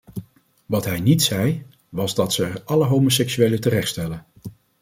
Wat hij niet zei was dat ze er alle homoseksuelen terechtstellen.